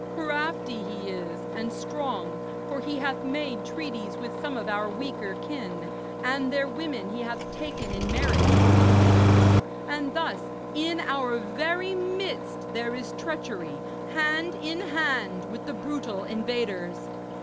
Crafty he is and strong, for he hath made treaties with some of our weaker kin, and their women he hath taken in marriage for his leaders, and thus in our very midst there is treachery, hand in hand with the brutal invaders.